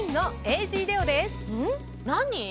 何？